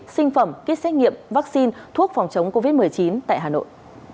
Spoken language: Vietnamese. sinh phẩm kit xét nghiệm vaccine thuốc phòng chống covid một mươi chín tại hà nội